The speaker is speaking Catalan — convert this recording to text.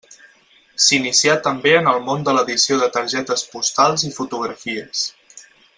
S'inicià també en el món de l'edició de targetes postals i fotografies.